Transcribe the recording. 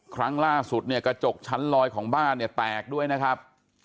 ครั้งล่าสุดเนี่ยกระจกชั้นลอยของบ้านเนี่ยแตกด้วยนะครับ